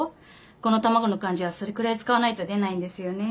この卵の感じはそれくらい使わないと出ないんですよね。